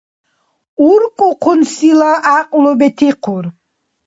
УркӀухъунсила гӀякьлу бетихъур.